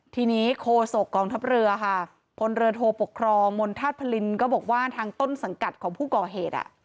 ทีนี้โคศกกองทัพเรือค่ะพลเรือโทปกครองมณฑาตุพลินก็บอกว่าทางต้นสังกัดของผู้ก่อเหตุ